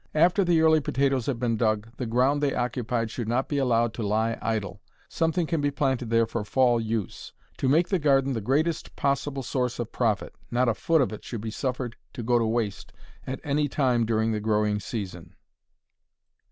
After the early potatoes have been dug the ground they occupied should not be allowed to lie idle. Something can be planted there for fall use. To make the garden the greatest possible source of profit, not a foot of it should be suffered to go to waste at any time during the growing season.